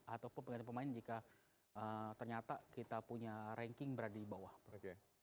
ataupun pengganti pemain jika ternyata kita punya ranking berada di bawah